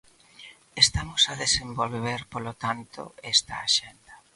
Estamos a desenvolver, polo tanto, esta axenda.